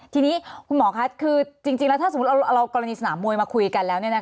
ทีนี้คุณหมอคะคือจริงแล้วถ้าสมมุติเราเอากรณีสนามมวยมาคุยกันแล้ว